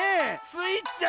スイちゃん